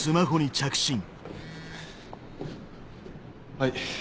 はい。